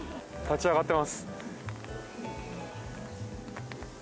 立ち上がっています。